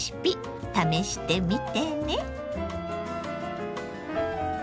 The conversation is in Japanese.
試してみてね。